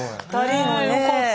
よかった。